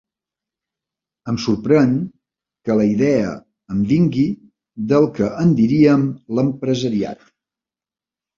Em sorprèn que la idea em vingui del que en diríem l'empresariat.